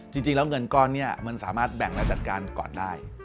จริงแล้วเงินก้อนนี้มันสามารถแบ่งและจัดการก่อนได้